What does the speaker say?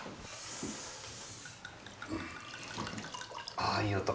ああいい音。